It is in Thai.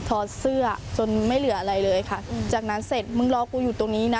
ถอดเสื้อจนไม่เหลืออะไรเลยค่ะจากนั้นเสร็จมึงรอกูอยู่ตรงนี้นะ